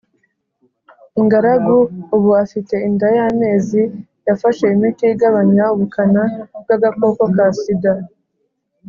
ingaragu ubu afite inda y amezi yafashe imiti igabanya ubukana bw agakoko ka sida